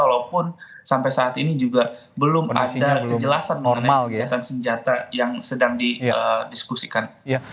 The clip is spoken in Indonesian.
walaupun sampai saat ini juga belum ada kejelasan normal kegiatan senjata yang sedang didiskusikan